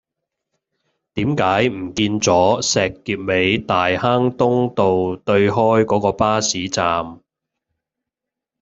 點解唔見左石硤尾大坑東道對開嗰個巴士站